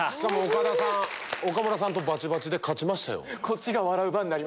岡田さん岡村さんとバチバチで勝ちましたよ。